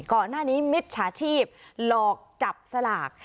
ก่อนหน้านี้มิจฉาฬีปกล่อกจับสลาก